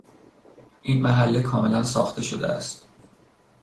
این محله کاملا ساخته شده است.